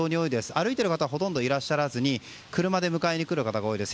歩いている方はほとんどいらっしゃらずに車で迎えに来る方が多いです。